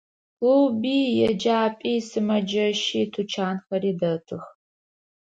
Клуби, еджапӏи, сымэджэщи, тучанхэри дэтых.